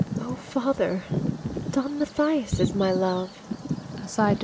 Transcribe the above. O father, Don Mathias is my love!